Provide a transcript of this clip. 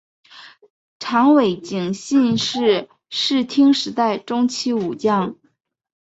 长尾景信是室町时代中期武将。